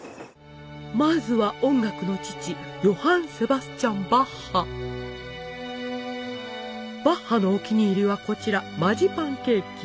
まずは音楽の父バッハのお気に入りはこちらマジパンケーキ！